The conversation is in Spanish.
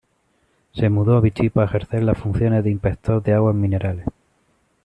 Se mudó a Vichy para ejercer las funciones de inspector de aguas minerales.